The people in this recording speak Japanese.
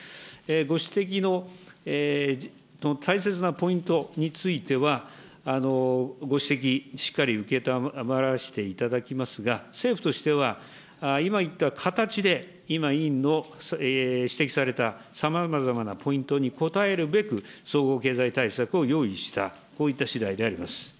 ご指摘の大切なポイントについては、ご指摘、しっかり承らせていただきますが、政府としては、今言った形で、今、委員の指摘されたさまざまなポイントに応えるべく、総合経済対策を用意した、こういったしだいであります。